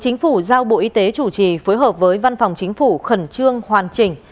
chính phủ giao bộ y tế chủ trì phối hợp với văn phòng chính phủ khẩn trương hoàn chỉnh